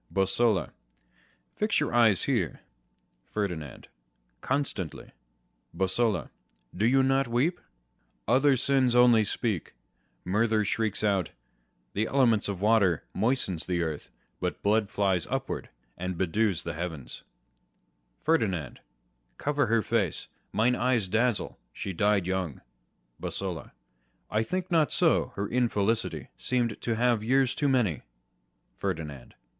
Bosola. Fix your eye here. Ferdinand. Constantly. Bosola. Do you not weep ? Other sins only speak ; murther shrieks out : The element of water moistens the earth ; But blood flies upwards, and bedews the heavens. On Reason and Imagination. 71 Ferdinand. Cover her face : mine eyes dazzle ; she died young. Bosola. I think not so : her infelicity Seem'd to have years too many. Ferdinand.